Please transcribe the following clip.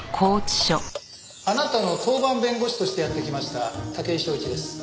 あなたの当番弁護士としてやって来ました武井昭一です。